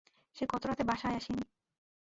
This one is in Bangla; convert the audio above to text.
সে গতরাতে বাসায় আসেনি।